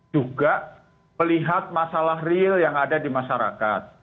juga melihat masalah real yang ada di masyarakat